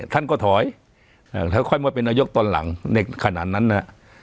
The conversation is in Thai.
ท่านก็ถอยค่อยมาเป็นนายกตอนหลังในขณะนั้นนะฮะ